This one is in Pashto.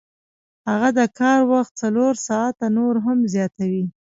هغه د کار وخت څلور ساعته نور هم زیاتوي